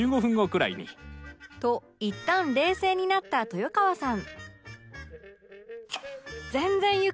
といったん冷静になった豊川さん